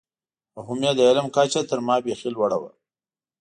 او هم یې د علم کچه تر ما بېخي لوړه وه.